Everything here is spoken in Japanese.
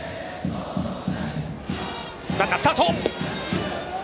ランナー、スタート。